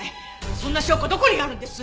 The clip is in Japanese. そんな証拠どこにあるんです？